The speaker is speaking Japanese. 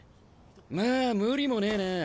まあ無理もねえなあ。